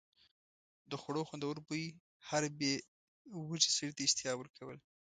د خوړو خوندور بوی هر بې وږي سړي ته اشتها ورکوله.